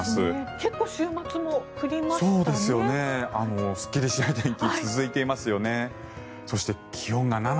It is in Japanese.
結構週末も降りましたね。